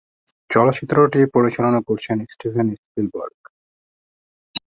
চলচ্চিত্রটি পরিচালনা করেছেন স্টিভেন স্পিলবার্গ।